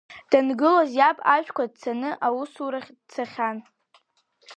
Дангылоз, иаб, ажәқәа ҭцаны, усура дцахьан.